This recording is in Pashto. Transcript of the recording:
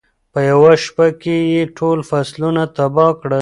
په یوه شپه کې یې ټول فصلونه تباه کړل.